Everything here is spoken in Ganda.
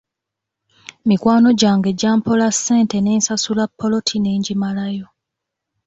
Mikwano gyange gyampola ssente ne nsasula ppoloti ne ngimalayo.